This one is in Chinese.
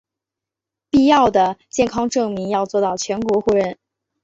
必要的健康证明要做到全国互认